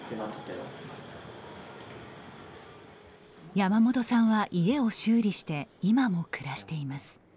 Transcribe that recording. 山本さんは家を修理して今も暮らしています。